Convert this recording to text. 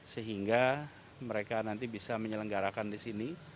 sehingga mereka nanti bisa menyelenggarakan di sini